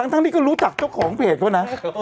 ทั้งที่ก็รู้จักเจ้าของเพจเขานะ